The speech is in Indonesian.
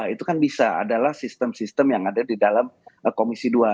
itu kan bisa adalah sistem sistem yang ada di dalam komisi dua